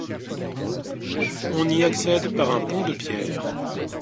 On y accède par un pont de pierre.